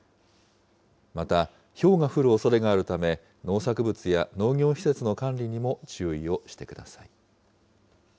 また、ひょうが降るおそれがあるため、農作物や農業施設の管理にも注意をしてください。